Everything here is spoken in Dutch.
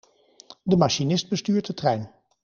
De machinist bestuurt de trein.